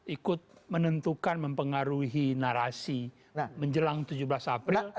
ikut menentukan mempengaruhi narasi menjelang tujuh belas april